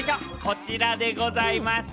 こちらでございます。